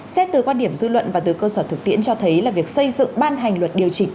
xét từ quan điểm dư luận và từ cơ sở thực tiễn cho thấy là việc xây dựng ban hành luật điều chỉnh